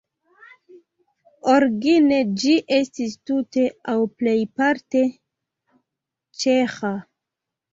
Origine ĝi estis tute aŭ plejparte ĉeĥa.